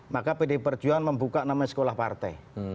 maka pdi perjuangan membuka nama sekolah partai